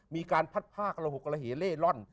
มีการพัดผ้ากระหกระเหเล่ร่อน